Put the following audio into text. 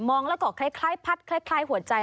แล้วก็คล้ายพัดคล้ายหัวใจ